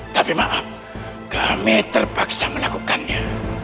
tapi maaf kami terpaksa menaklukkannya